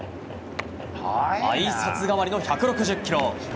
あいさつ代わりの１６０キロ。